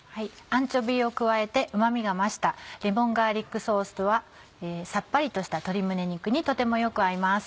アンチョビーを加えてうま味が増したレモンガーリックソースはさっぱりとした鶏胸肉にとてもよく合います。